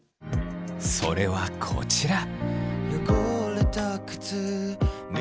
それはこちら。